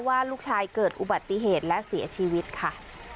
ว่าลูกชายเกิดอุบัติเหตุและเสียชีวิตค่ะ